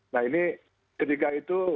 nah ini ketika itu